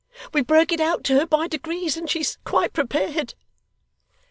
We broke it out to her by degrees, and she is quite prepared.